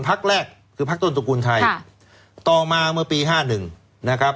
พักแรกคือพักต้นตกุลไทยค่ะต่อมาเมื่อปีห้าหนึ่งนะครับ